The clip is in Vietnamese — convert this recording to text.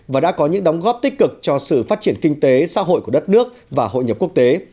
và đã có những đóng góp tích cực cho sự phát triển kinh tế xã hội của đất nước và hội nhập quốc tế